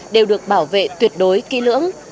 đều được bảo vệ tuyệt đối kỹ lưỡng